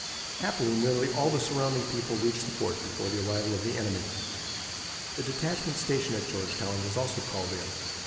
Happily nearly all of the surrounding people reached the fort before the arrival of the enemy. The detachment stationed at Georgetown was also called in.